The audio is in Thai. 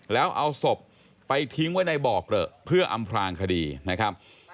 แล้วเอาศพไปทิ้งไว้ในบ่อเกลอะเพื่ออำพลางคดีนะครับ